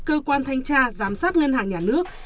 cơ quan thanh tra giám sát ngân hàng nhà nước